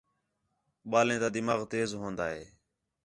ٻالیں تا دماغ تیز ہون٘دا ہے